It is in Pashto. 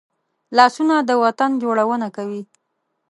لاسونه د وطن جوړونه کوي